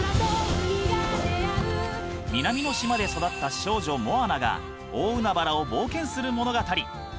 南の島で育った少女モアナが大海原を冒険する物語。